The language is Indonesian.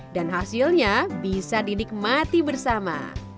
dan hasilnya bisa dinikmati bersama